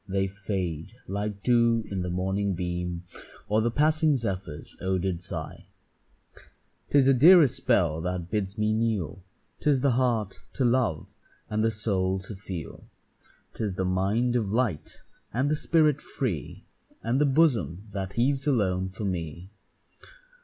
They fade like dew in the morning beam, Or the passing zephyr's odour'd sigh. 'Tis a dearer spell that bids me kneel, 'Tis the heart to love, and the soul to feel: 'Tis the mind of light, and the spirit free, And the bosom that heaves alone for me.